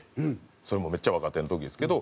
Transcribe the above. それもめっちゃ若手の時ですけど。